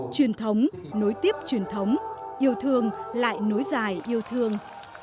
truyền thống nối tiếp truyền thống yêu thương lại nối dài yêu thương